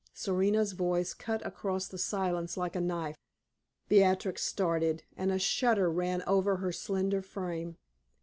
Serena's voice cut across the silence like a knife. Beatrix started, and a shudder ran over her slender frame.